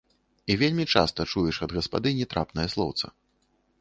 І вельмі часта чуеш ад гаспадыні трапнае слоўца.